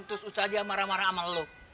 terus ustadzah marah marah sama lo